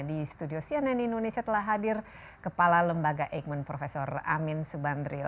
di studio cnn indonesia telah hadir kepala lembaga eijkman prof amin subandrio